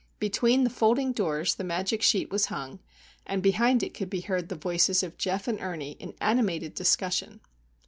Between the folding doors the magic sheet was hung, and behind it could be heard the voices of Geof and Ernie in animated discussion.